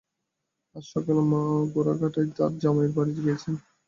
আজ সকালে মা যােড়াঘাটায় তাঁর জামাইয়ের বাড়ি গিয়াছেন।